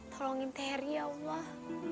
tolongin teri ya allah